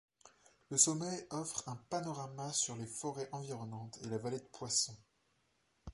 Le sommet offre un panorama sur les forêts environnantes et la vallée de Poissons.